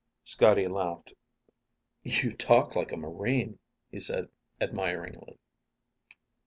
Scotty laughed. "You talk like a Marine," he said admiringly.